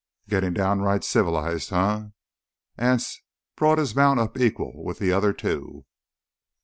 "Gittin' downright civilized, eh?" Anse brought his mount up equal with the other two.